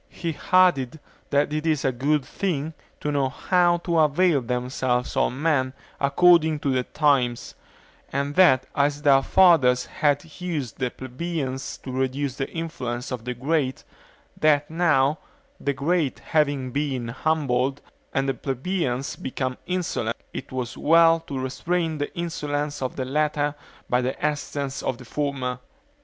He added, that it is a good thing to know how to avail themselves of men according to the times; and that as their fathers had used the plebeians to reduce the influence of the great, that now, the great having been humbled, and the plebeians become insolent, it was well to restrain the insolence of the latter by the assistance of the former.